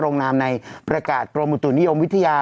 นามในประกาศกรมอุตุนิยมวิทยา